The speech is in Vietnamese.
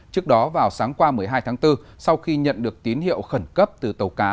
trước đó vào sáng qua một mươi hai tháng bốn sau khi nhận được tín hiệu khẩn cấp từ tàu cá